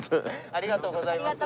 ありがとうございます。